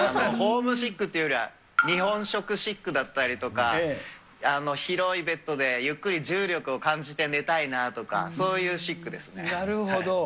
ホームシックっていうよりは、日本食シックだったりとか、広いベッドでゆっくり重力を感じて寝たいなとか、そういうシックなるほど。